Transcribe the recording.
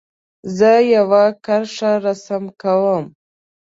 زه یو کرښه رسم کوم.